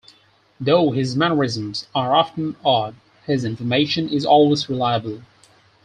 "Though his mannerisms are often odd, his information is always reliable".